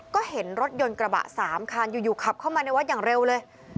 ก็เห็นรถยนต์กระบะ๓คันอยู่ขับเข้ามาในวัดอย่างเร็วเลย